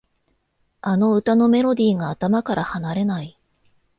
あの歌のメロディーが頭から離れない